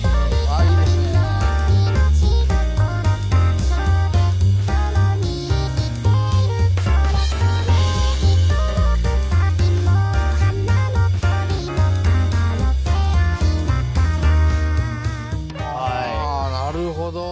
あなるほど！